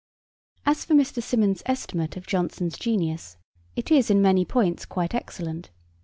As for Mr. Symonds' estimate of Jonson's genius, it is in many points quite excellent.